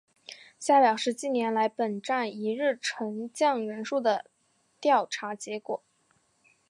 下表是近年来本站一日乘降人数的调查结果。